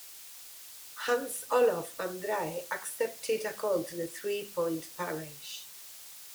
Hans Olof Andrae accepted a call to the three-point parish.